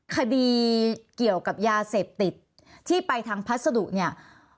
คดีเกี่ยวกับยาเสพติดที่ไปทางพัสดุเนี่ย